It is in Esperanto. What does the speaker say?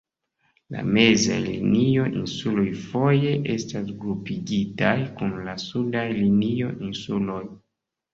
La Mezaj Linio-Insuloj foje estas grupigitaj kun la Sudaj Linio-Insuloj.